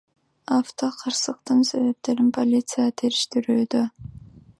Автокырсыктын себептерин полиция териштирүүдө.